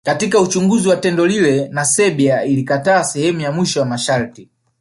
Katika Uchunguzi wa tendo lile na Serbia ilikataa sehemu ya mwisho ya masharti